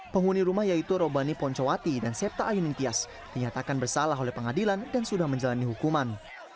penghuni rumah yaitu robani poncowati dan septa ayuning tias dinyatakan bersalah oleh pengadilan dan sudah menjalani hukuman